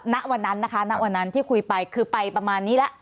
ณวันนั้นนะคะณวันนั้นที่คุยไปคือไปประมาณนี้แล้ว